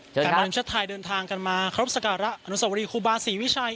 เจอนะครับแฟนบอลทัพช้างสึกนะครับเข้ามาไหว้สการะอันตรวรีคูบาสี่วิชัย